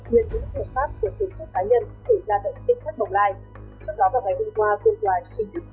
nguyên bức hiệu pháp của tổ chức cá nhân xảy ra tại tiết pháp bồng lai